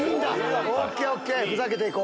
ＯＫ、ＯＫ、ふざけていこう。